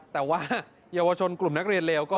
แต่ว่าเยาวชนกลุ่มนักเรียนเลวก็